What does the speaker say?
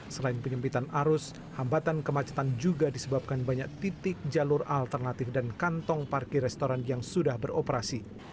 selain penyempitan arus hambatan kemacetan juga disebabkan banyak titik jalur alternatif dan kantong parkir restoran yang sudah beroperasi